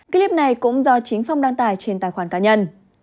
clip này cũng do chính phong đăng tải trên tài khoản cá nhân